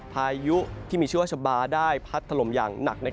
พายุที่มีชื่อว่าชะบาได้พัดถล่มอย่างหนัก